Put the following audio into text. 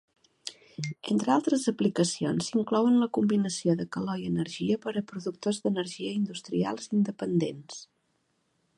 Entre altres aplicacions s'inclouen la combinació de calor i energia per a productors d'energia industrials i independents.